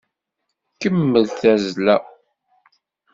Kemmel tazzla!